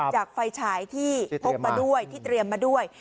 ไฟฉายที่พกมาด้วยที่เตรียมมาด้วย